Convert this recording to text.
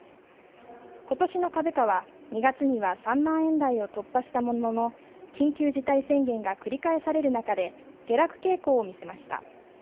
今年の株価は、２月には３万円台を突破したものの緊急事態宣言が繰り返される中で下落傾向を見せました。